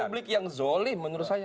ini republik yang zolim menurut saya